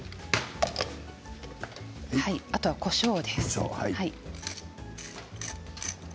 あとはこしょうです。